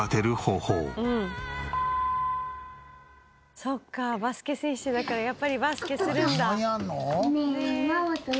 そっかバスケ選手だからやっぱりバスケするんだ。